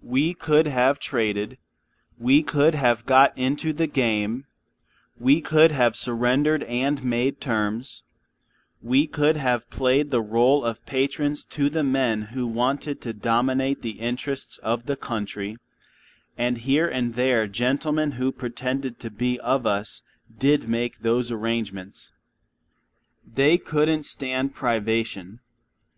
We could have traded; we could have got into the game; we could have surrendered and made terms; we could have played the rôle of patrons to the men who wanted to dominate the interests of the country, and here and there gentlemen who pretended to be of us did make those arrangements. They couldn't stand privation.